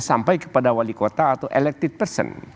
sampai kepada wali kota atau elected person